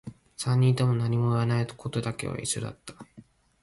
三人とも何も言わないことだけは一緒だった